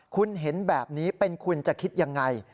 คุณเห็นแบบนี้เป็นคุณจะคิดยังไง